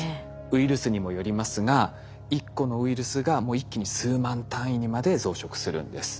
ウイルスにもよりますが１個のウイルスがもう一気に数万単位にまで増殖するんです。